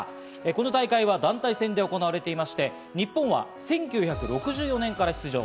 この大会は団体戦で行われていまして、日本は１９６４年から出場。